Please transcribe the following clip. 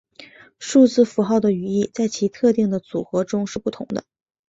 数字符号的语义在其特定的组合中是不同的。